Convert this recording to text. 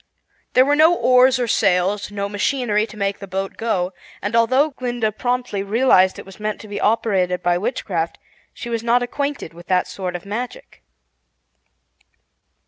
There were no oars or sails, no machinery to make the boat go, and although Glinda promptly realized it was meant to be operated by witchcraft, she was not acquainted with that sort of magic.